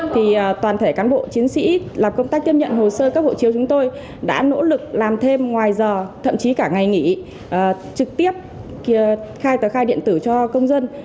thì toàn thể cán bộ chiến sĩ làm công tác tiếp nhận hồ sơ cấp hộ chiếu chúng tôi đã nỗ lực làm thêm ngoài giờ thậm chí cả ngày nghỉ trực tiếp khai tờ khai điện tử cho công dân